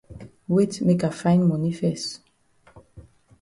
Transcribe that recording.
Wait make I find moni fes.